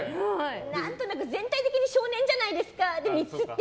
何となく全体的に少年じゃないですか。